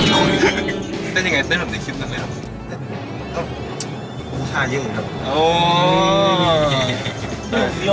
พี่โก้ออกเลย